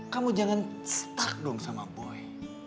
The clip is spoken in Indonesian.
kamu jangan stuck dong sama boy